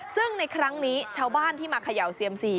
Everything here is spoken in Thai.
ซึ่งในครั้งนี้ชาวบ้านที่มาเขย่าเซียมซี